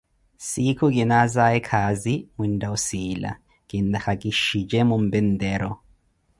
siikho kinaazaye khaazi, mwintta osiila, kintakha ki shije mompe ntero.